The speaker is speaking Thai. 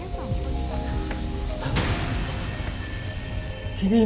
สวัสดีค่ะ